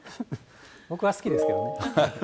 僕は好きですけどね。